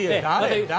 誰？